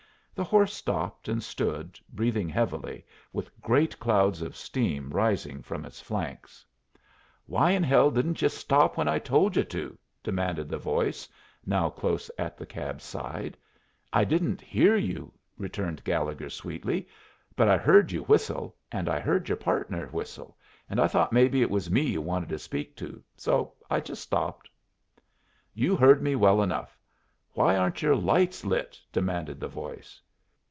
The horse stopped, and stood, breathing heavily, with great clouds of steam rising from its flanks. "Why in hell didn't you stop when I told you to?" demanded the voice, now close at the cab's side. "I didn't hear you," returned Gallegher, sweetly. "But I heard you whistle, and I heard your partner whistle, and I thought maybe it was me you wanted to speak to, so I just stopped." "You heard me well enough. Why aren't your lights lit?" demanded the voice.